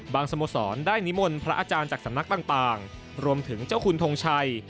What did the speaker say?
สโมสรได้นิมนต์พระอาจารย์จากสำนักต่างรวมถึงเจ้าคุณทงชัย